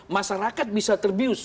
masyarakat bisa terbius